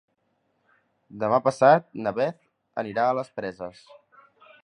Demà passat na Beth anirà a les Preses.